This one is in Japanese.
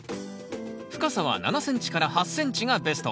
深さは７ｃｍ８ｃｍがベスト。